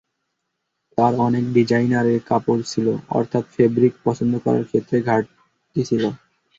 তবে অনেক ডিজাইনারের কাপড়, অর্থাৎ ফেব্রিক পছন্দ করার ক্ষেত্রে ঘাটতি ছিল।